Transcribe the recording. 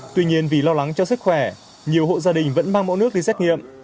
tuy nhiên vì lo lắng cho sức khỏe nhiều hộ gia đình vẫn mang mẫu nước đi xét nghiệm